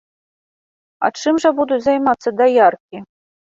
А чым жа будуць займацца даяркі?